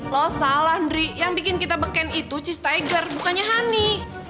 lo salah andri yang bikin kita beken itu cheese tiger bukannya honey